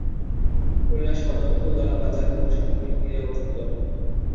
খুলনা সদর, ফুলতলা বাজার রূপসা নদীর তীরে অবস্থিত।